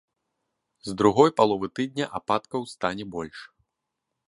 З другой паловы тыдня ападкаў стане больш.